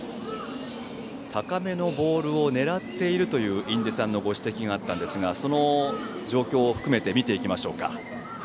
高めのボールを狙っているという印出さんのご指摘があったんですがその状況を含めて見ていきましょうか。